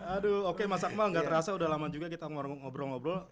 aduh oke mas akmal nggak terasa udah lama juga kita ngobrol ngobrol